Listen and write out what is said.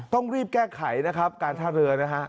ต้องรีบแก้ไขนะครับการท่าเรือนะฮะ